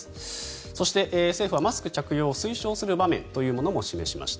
そして、政府はマスク着用を推奨する場面も示しました。